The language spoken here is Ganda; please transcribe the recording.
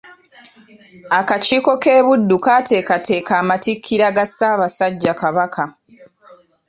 Akakiiko k’e Buddu kateekateeka amatikkira ga Ssaabasajja Kabaka.